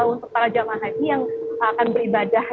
untuk para jemaah haji yang akan beribadah